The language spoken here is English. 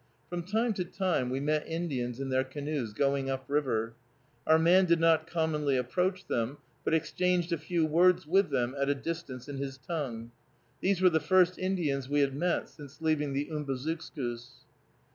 From time to time we met Indians in their canoes, going up river. Our man did not commonly approach them, but exchanged a few words with them at a distance in his tongue. These were the first Indians we had met since leaving the Umbazookskus.